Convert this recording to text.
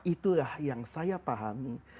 itulah yang saya pahami